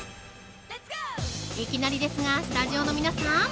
いきなりですがスタジオの皆さん